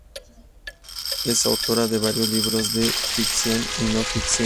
Es autora de varios libros de ficción y no ficción.